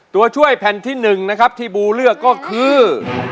ตัวช่วยแผ่นที่๑นะครับที่บูเลือกก็คือ